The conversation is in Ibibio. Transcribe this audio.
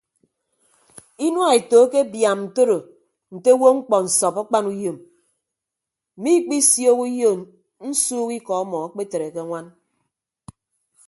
Inua eto akebiaam ntoro nte owo mkpọ nsọp akpanuyom mmikpisiooho uyo nsuuk ikọ ọmọ akpetre ke añwan.